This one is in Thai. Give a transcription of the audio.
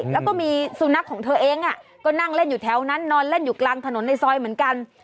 แล้วก็มีสุนัขของเธอเองก็นั่งเล่นอยู่แถวนั้นนอนเล่นอยู่กลางถนนในซอยเหมือนกัน